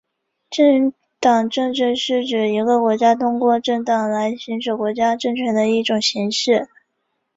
政党政治是指一个国家通过政党来行使国家政权的一种形式。